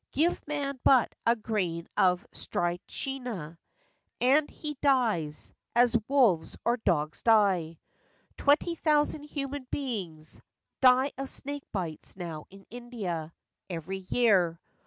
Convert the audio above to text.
Give man but a grain of strychnia And he dies, as wolves or dogs die. Twenty thousand human beings Die of snake bites now in India Every year.